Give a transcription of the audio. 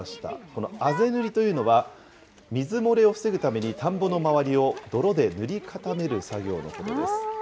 このあぜ塗りというのは、水漏れを防ぐために田んぼの周りを泥で塗り固める作業のことです。